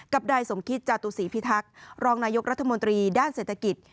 กับนายสมคิตจาตุศีพิทักษ์รองนายกรัฐมนตรีด้านเศรษฐกิจ